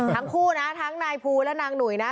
ทั้งคู่นะทั้งนายภูและนางหนุ่ยนะ